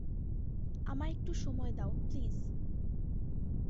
আমায় একটু সময় দাও, প্লিজ।